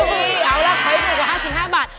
เอาล่ะคุณคิดว่า๕๕บาท